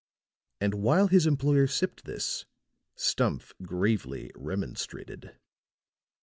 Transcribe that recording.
And while his employer sipped this, Stumph gravely remonstrated.